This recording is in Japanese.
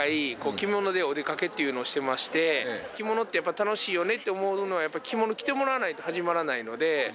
着物でお出かけっていうのをしてまして、着物ってやっぱ楽しいよねっていうのは、着物着てもらわないと始まらないので。